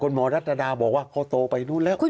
คุณหมอรัฐดาบอกว่าเขาโตไปนู่นน่ะ